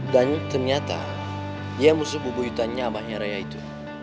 dan ternyata dia musuh bubu yutannya abahnya raya itu